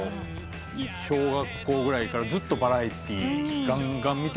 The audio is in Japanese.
小学校ぐらいからずっとバラエティーがんがん見てて。